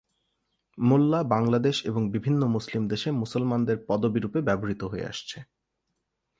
মোল্লা বাংলাদেশ এবং বিভিন্ন মুসলিম দেশে মুসলমানদের পদবী রুপে ব্যবহৃত হয়ে আসছে।